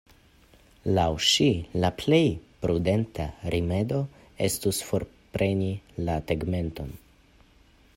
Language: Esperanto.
Laŭ ŝi la plej prudenta rimedo estus forpreni la tegmenton.